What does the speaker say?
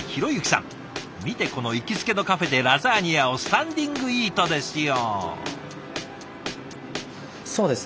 見てこの行きつけのカフェでラザニアをスタンディングイートですよ。